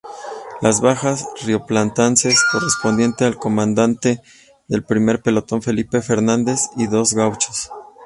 Las bajas rioplatenses correspondieron al comandante del primer pelotón Felipe Fernández y dos gauchos.